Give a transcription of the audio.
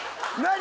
何？